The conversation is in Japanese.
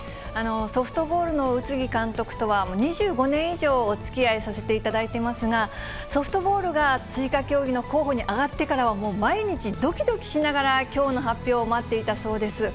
ソフトボールのうつぎ監督とは、２５年以上、おつきあいさせていただいていますが、ソフトボールが追加競技の候補に挙がってからは、もう毎日、どきどきしながらきょうの発表を待っていたそうです。